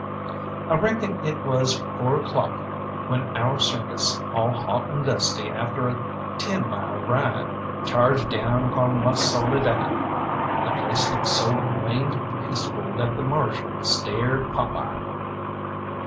I reckon it was four o'clock when our circus, all hot and dusty after a ten mile ride, charged down upon La Soledad. The place looked so blamed peaceful that the Marshal stared pop eyed.